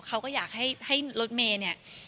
เขาก็อยากให้รถเมย์เนี่ย